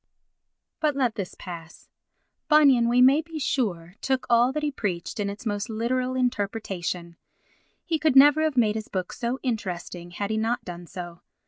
But let this pass. Bunyan, we may be sure, took all that he preached in its most literal interpretation; he could never have made his book so interesting had he not done so.